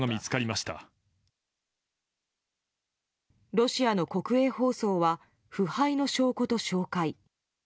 ロシアの国営放送は腐敗の証拠と紹介。